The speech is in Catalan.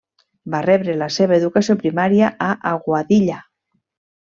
Va rebre la seva educació primària a Aguadilla.